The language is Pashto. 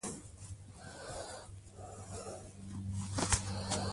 حکومت باید د لیکوالانو ملاتړ وکړي.